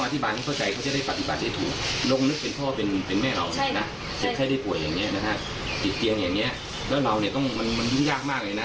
ติดเตียงอย่างนี้แล้วเราเนี่ยต้องมันยุ่งยากมากเลยนะ